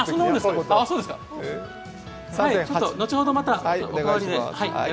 後ほど、また、おかわりで。